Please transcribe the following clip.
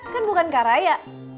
kan bukan kak raya